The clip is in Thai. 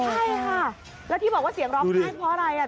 ใช่ค่ะแล้วที่บอกว่าเสียงร้องไห้เพราะอะไรอ่ะ